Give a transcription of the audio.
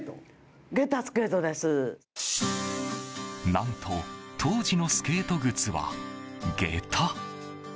何と、当時のスケート靴はげた。